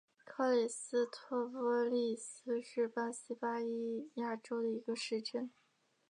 克里斯托波利斯是巴西巴伊亚州的一个市镇。